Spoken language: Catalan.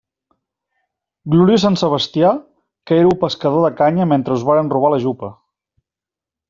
Gloriós sant Sebastià, que éreu pescador de canya mentre us varen robar la jupa.